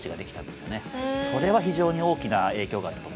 それは非常に大きな影響があったと。